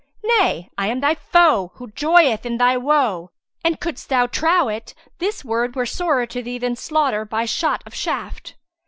Nay, I am thy foe who joyeth in thy woe; and couldst thou trow it, this word were sorer to thee than slaughter by shot of shaft.